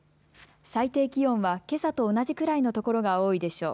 最低気温はけさと同じくらいの所が多いでしょう。